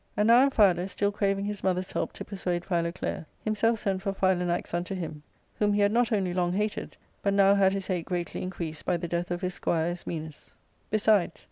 And now Amphialus, still craving his mother's help to persuade Philoclea, himself sent for Philanax unto him, whom he had not only long hated, but now had his hate greatly increased by the death of his squire Ismenus ; besides, he ARCADIA.